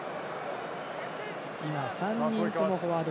３人ともフォワード。